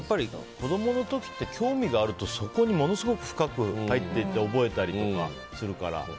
子供の時って興味があるとそこにものすごく入っていって覚えたりするから。